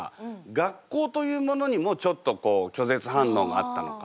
学校というものにもちょっとこう拒絶反応があったのか？